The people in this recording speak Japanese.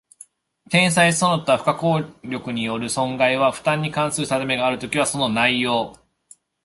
天災その他不可抗力による損害の負担に関する定めがあるときは、その内容